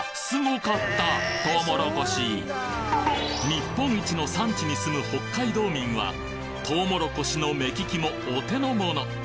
日本一の産地に住む北海道民はとうもろこしの目利きもお手のもの